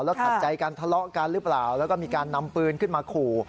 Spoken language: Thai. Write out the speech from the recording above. ขัดใจกันทะเลาะกันหรือเปล่าแล้วก็มีการนำปืนขึ้นมาขู่